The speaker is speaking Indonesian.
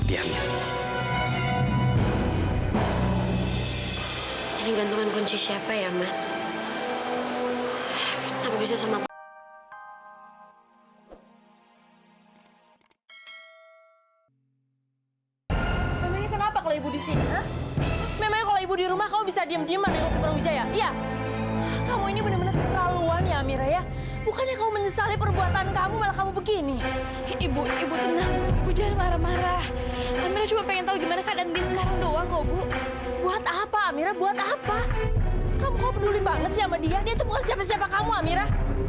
dia itu bukan siapa siapa kamu amira